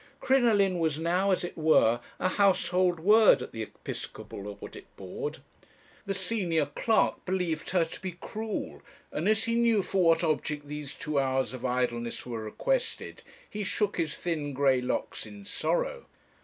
Crinoline was now, as it were, a household word at the Episcopal Audit Board. The senior clerk believed her to be cruel, and as he knew for what object these two hours of idleness were requested, he shook his thin grey locks in sorrow.